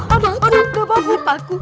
aduh gak bau aku takut